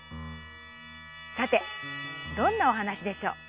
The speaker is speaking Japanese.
さてどんなおはなしでしょう？